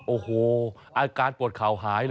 โอ้โหอาการปวดเข่าหายเลย